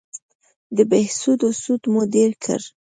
د بهسودو سود مو ډېر کړ